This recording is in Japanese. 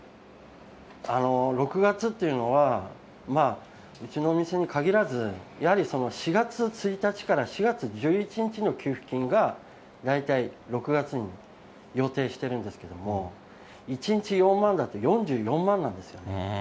６月っていうのは、うちのお店に限らず、やはり、４月１日から４月１１日の給付金が大体６月に予定してるんですけれども、１日４万だと４４万なんですよ。